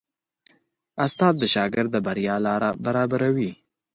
استاد د شاګرد د بریا لاره برابروي.